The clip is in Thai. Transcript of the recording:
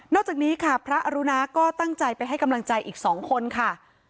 จากนี้ค่ะพระอรุณาก็ตั้งใจไปให้กำลังใจอีก๒คนค่ะ